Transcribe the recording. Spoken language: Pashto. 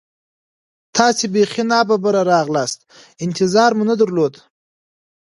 تاسې بیخي نا ببره راغلاست، انتظار مو نه درلود.